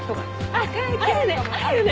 あっあるね！